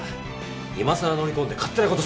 今更乗り込んで勝手なことすんな。